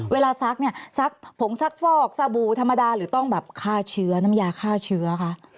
เวลาซักผงซักฟอกสบู่ธรรมดาหรือต้องค่าเชื้อน้ำยาค่าเชื้อ